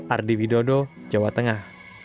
ardy widodo jawa tengah